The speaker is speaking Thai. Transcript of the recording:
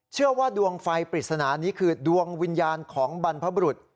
เชื่อว่าดวงไฟปริศนานี้คือดวงวิญญาณของบรรพบรุษ